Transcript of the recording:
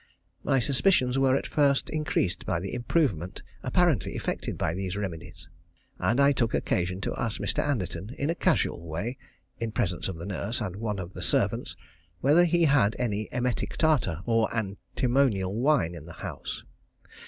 My suspicions were at first increased by the improvement apparently effected by these remedies, and I took occasion to ask Mr. Anderton, in a casual way, in presence of the nurse and one of the servants, whether he had any emetic tartar or antimonial wine in the house.